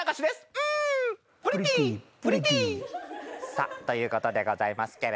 さあということでございますけれどもね。